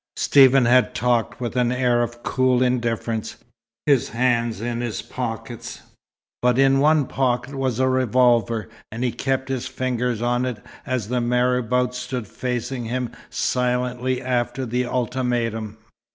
Stephen had talked with an air of cool indifference, his hands in his pockets, but in one pocket was a revolver, and he kept his fingers on it as the marabout stood facing him silently after the ultimatum.